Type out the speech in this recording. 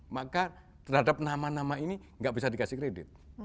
maka terhadap nama nama ini nggak bisa dikasih kredit